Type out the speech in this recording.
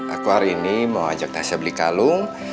aku hari ini mau ajak nasa beli kalung